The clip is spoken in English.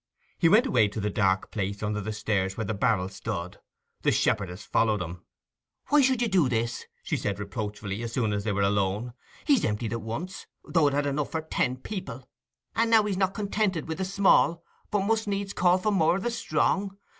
He went away to the dark place under the stairs where the barrel stood. The shepherdess followed him. 'Why should you do this?' she said reproachfully, as soon as they were alone. 'He's emptied it once, though it held enough for ten people; and now he's not contented wi' the small, but must needs call for more o' the strong!